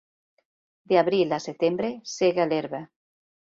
De l'abril al setembre sega l'herba.